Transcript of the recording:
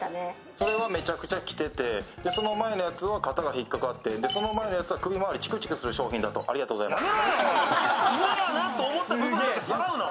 それはめちゃくちゃ着ててその前のやつは２回しか着てなくてその前のやつは首回りチクチクする商品だとありがとうございます。